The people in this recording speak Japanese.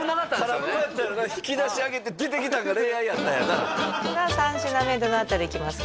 空っぽやったんやろうな引き出し開けて出てきたんが「恋愛」やったんやなさあ三品目どの辺りいきますか？